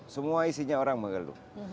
semua isinya orang mengeluh